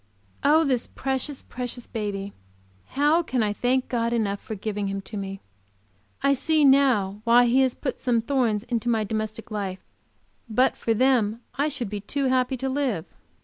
Oh, this precious, precious baby! How can I thank God enough for giving him to me! I see now why He has put some thorns into my domestic life; but for them I should be too happy to live.